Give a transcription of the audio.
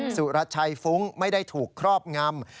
สุรชัยฟุ้งไม่ได้ถูกครอบงำ